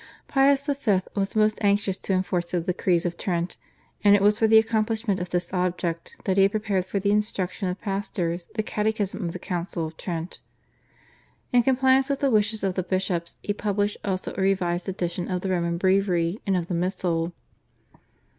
Pius V. was most anxious to enforce the decrees of Trent, and it was for the accomplishment of this object that he had prepared for the instruction of pastors the Catechism of the Council of Trent. In compliance with the wishes of the bishops he published also a revised edition of the Roman Breviary and of the Missal.